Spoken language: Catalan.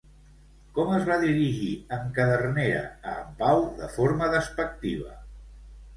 Com es va dirigir en Cadernera a en Pau de forma despectiva?